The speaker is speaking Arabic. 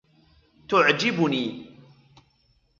تعجبني.